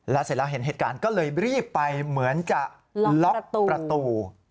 เสร็จแล้วเห็นเหตุการณ์ก็เลยรีบไปเหมือนจะล็อกประตู